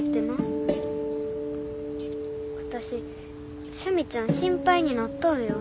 私スミちゃん心配になったんや。